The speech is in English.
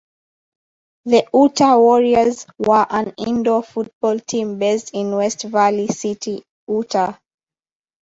The Utah Warriors were an indoor football team based in West Valley City, Utah.